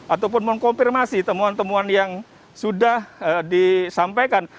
ataupun mengkonfirmasi temuan temuan yang sudah disampaikan